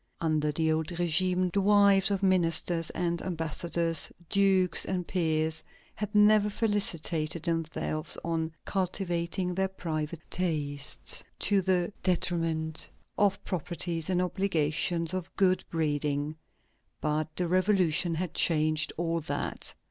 Under the old régime, the wives of ministers and ambassadors, dukes and peers, had never felicitated themselves on "cultivating their private tastes" to the detriment of the proprieties and obligations of good breeding. But the Revolution had changed all that.